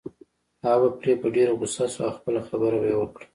هغه به پرې په ډېره غصه شو او خپله خبره به يې وکړه.